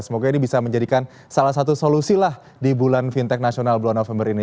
semoga ini bisa menjadikan salah satu solusi lah di bulan fintech nasional bulan november ini